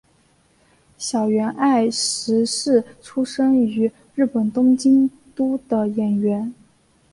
筱原爱实是出身于日本东京都的演员。